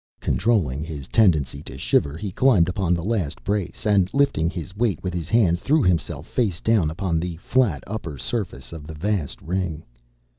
Controlling his tendency to shiver, he climbed upon the last brace, and, lifting his weight with his hands, threw himself face down upon the flat upper surface of the vast ring.